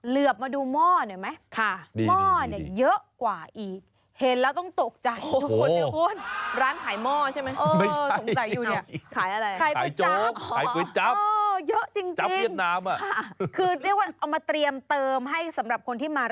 เลือบมาดูหม้อหน่อยไหม